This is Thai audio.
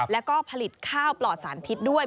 แล้วก็ผลิตข้าวปลอดสารพิษด้วย